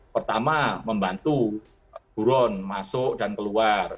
pertama membantu buron masuk dan keluar